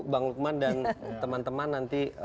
bang lukman dan teman teman nanti